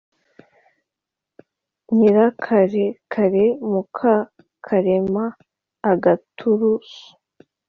Nyirakarekare Mukakarema-Agaturusu.